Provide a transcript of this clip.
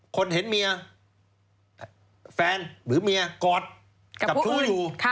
คนเห็นเมียแฟนหรือเมียกอดกับชู้อยู่